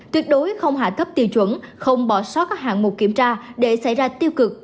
tuyệt đối không hạ cấp tiêu chuẩn không bỏ sót các hạng mục kiểm tra để xảy ra tiêu cực